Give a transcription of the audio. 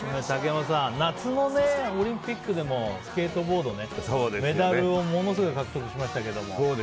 竹山さん、夏のオリンピックでもスケートボード、メダルをものすごい獲得しましたけど。